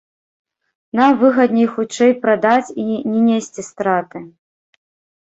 Нам выгадней хутчэй прадаць і не несці страты.